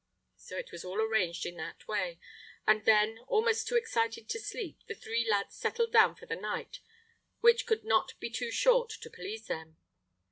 So it was all arranged in that way, and then, almost too excited to sleep, the three lads settled down for the night, which could not be too short to please them.